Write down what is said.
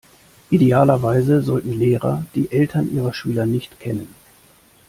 Idealerweise sollten Lehrer die Eltern ihrer Schüler nicht kennen.